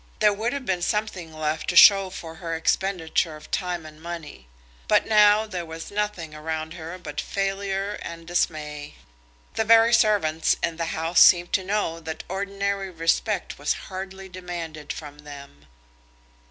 There would have been something left to show for her expenditure of time and money. But now there was nothing around her but failure and dismay. The very servants in the house seemed to know that ordinary respect was hardly demanded from them.